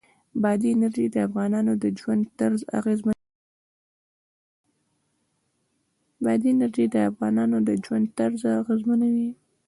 بادي انرژي د افغانانو د ژوند طرز اغېزمنوي.